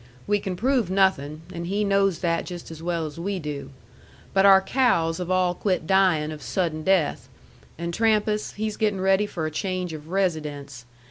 We can prove nothin'; and he knows that just as well as we do. But our cows have all quit dyin' of sudden death. And Trampas he's gettin' ready for a change of residence.